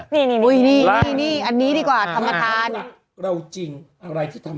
นี่นี่อันนี้ดีกว่าธรรมทานเราจริงอะไรที่ทำ